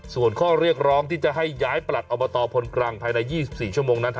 ส่วนข้อเรียกร้องที่จะให้ย้ายประหลัดอบตพลกรังภายใน๒๔ชั่วโมงนั้น